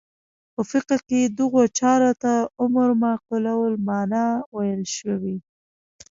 په فقه کې دغو چارو ته امور معقوله المعنی ویل شوي.